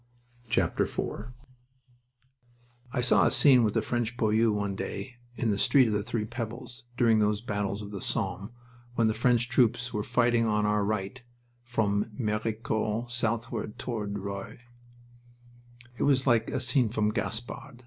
IV I saw a scene with a French poilu one day in the Street of the Three Pebbles, during those battles of the Somme, when the French troops were fighting on our right from Maricourt southward toward Roye. It was like a scene from "Gaspard."